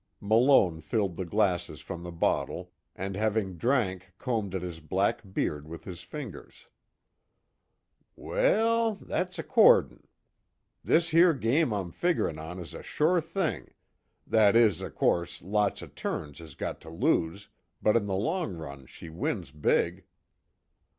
Malone filled the glasses from the bottle, and having drank combed at his black beard with his fingers: "W e e l, that's accordin'. This here game I'm figgerin' on is a sure thing that is, o' course, lots o' turns has got to lose, but in the long run she wins big."